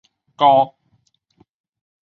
高阇羌人。